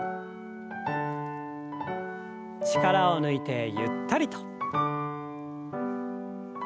力を抜いてゆったりと。